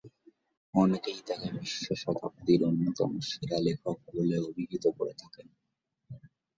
অনেকেই তাকে বিশ্ব শতাব্দীর অন্যতম সেরা লেখক বলে অভিহিত করে থাকেন।